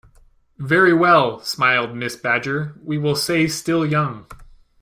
"Very well," smiled Mrs. Badger, "we will say still young."